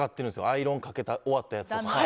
アイロンをかけ終わったあとのやつ。